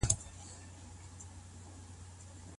مېرمن څنګه د خاوند مرستياله او مرستندويه کېدای سي؟